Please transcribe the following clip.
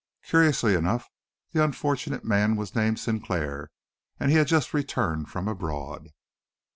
Curiously enough, the unfortunate man was named Sinclair, and he had just returned from abroad."